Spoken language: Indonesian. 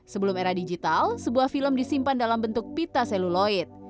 sebelum era digital sebuah film disimpan dalam bentuk pita seluloid